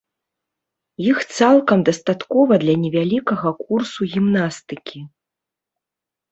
Іх цалкам дастаткова для невялікага курсу гімнастыкі.